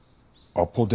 アポ電？